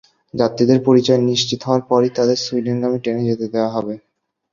যাত্রীদের পরিচয় নিশ্চিত হওয়ার পরই তাঁদের সুইডেনগামী ট্রেনে যেতে দেওয়া হবে।